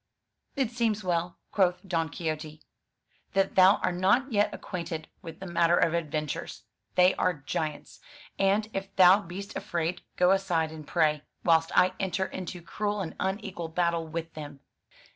It seems well," quoth Don Quixote, "that thou art not yet acquainted with the matter of adventures. They are giants. And, if thou beest afraid, go aside and pray, whilst I enter into cruel and unequal battle with them."